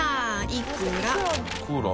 海いくら？